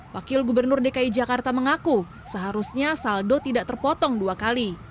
wakil gubernur dki jakarta mengaku seharusnya saldo tidak terpotong dua kali